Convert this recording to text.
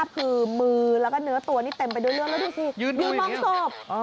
คือมือแล้วก็เนื้อตัวนี้เต็มไปด้วยเลือดแล้วดูสิมีห้องศพ